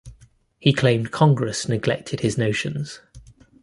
He claimed Congress neglected his notions.